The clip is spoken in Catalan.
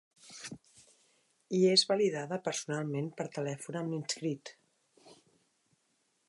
I és validada personalment per telèfon amb l'inscrit.